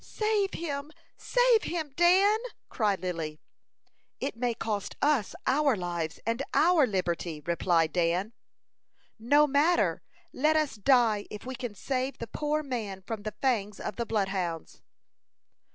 "Save him! Save him, Dan!" cried Lily. "It may cost us our lives and our liberty," replied Dan. "No matter. Let us die if we can save the poor man from the fangs of the bloodhounds."